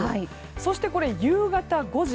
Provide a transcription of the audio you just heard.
そして、夕方５時。